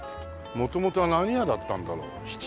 元々は何屋だったんだろう？質屋？